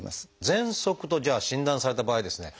「ぜんそく」とじゃあ診断された場合ですね